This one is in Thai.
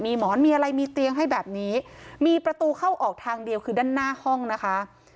มีหมอนมีอะไรมีเตียงให้แบบนี้มีประตูเข้าออกทางเดียวคือด้านหน้าห้องนะคะ